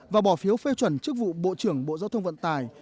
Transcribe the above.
và bỏ phiếu phê chuẩn chức vụ bộ trưởng bộ giao thông vận tài